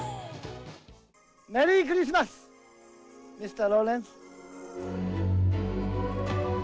メリークリスマス、ミスター・ローレンス。